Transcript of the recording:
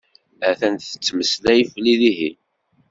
Atan temmeslay fell-i tihin.